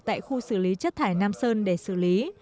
tại khu xử lý chất thải nam sơn để xử lý